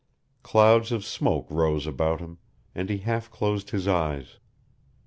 Clouds of smoke rose about him, and he half closed his eyes.